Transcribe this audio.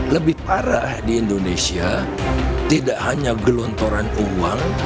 lebih parah di indonesia tidak hanya gelontoran uang